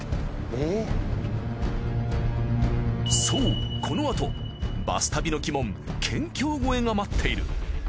そうこのあとバス旅の鬼門県境越えが待っている。